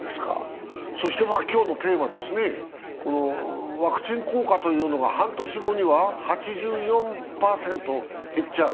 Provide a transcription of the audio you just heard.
今日のテーマですが、ワクチン効果というのが半年後には８４％減っちゃう。